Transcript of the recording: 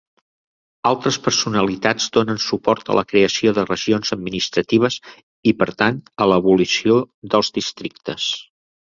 Altres personalitats donen suport a la creació de regions administratives i, per tant, a l'abolició dels districtes.